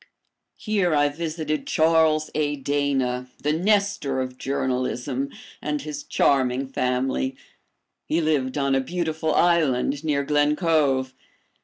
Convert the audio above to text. Here I visited Charles A. Dana, the Nestor of journalism, and his charming family. He lived on a beautiful island near Glen Cove.